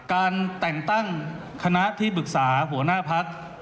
การแต่งตั้งคณะที่ปรึกษาหัวหน้าพัก